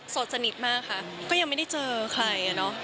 สดสนิทมากค่ะก็ยังไม่ได้เจอใครอ่ะเนอะ